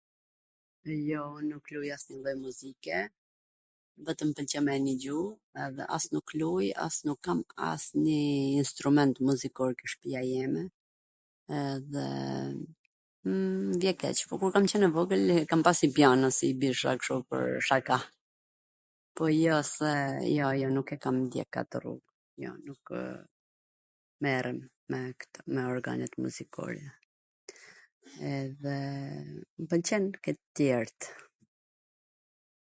Jo nuk luj asnjw lloj muzike, vetwm mw pwlqen me dwgju dhe as nuk luj as nuk kam asnjw asnjw lloj instrument muzikor ke shpia jeme, edhe m vjen keq, po kur kam qwn e vogwl e kam pas njw piano si i bijsha kshu pwr shaka. Po , jo se, jo jo, nuk e kam ndjek atw rrug. Jo, nukw merrem me organet muzikore, edhe mw pwlqen ke t tjert.